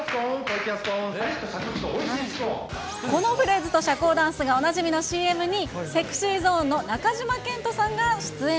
このフレーズと社交ダンスがおなじみのＣＭに、ＳｅｘｙＺｏｎｅの中島健人さんが出演。